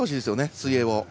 水泳を。